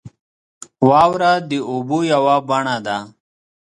• واوره د اوبو یوه بڼه ده.